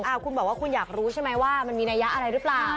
คุณบอกว่าคุณอยากรู้ใช่ไหมว่ามันมีนัยยะอะไรหรือเปล่า